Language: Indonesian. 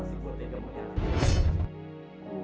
masa sih gue tega mau nyarang lo